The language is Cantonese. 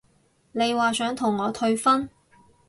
你話想同我退婚？